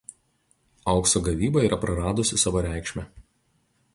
Aukso gavyba yra praradusi savo reikšmę.